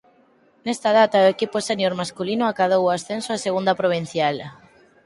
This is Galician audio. Nesta data o equipo sénior masculino acadou o ascenso a Segunda Provincial.